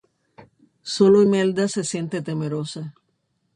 Sólo Imelda se siente temerosa.